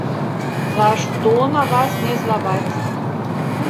За што на вас мне злаваць.